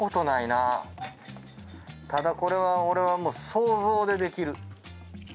ただこれは俺はもう想像でできる。